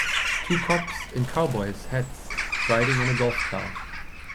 Two cops in cowboys hats riding on a golf cart.